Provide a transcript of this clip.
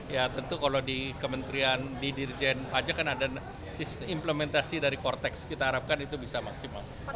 ya tentu kalau di kementerian di dirjen pajak kan ada implementasi dari kortex kita harapkan itu bisa maksimal